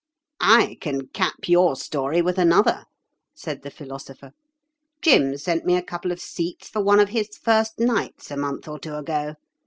'" "I can cap your story with another," said the Philosopher. "Jim sent me a couple of seats for one of his first nights a month or two ago.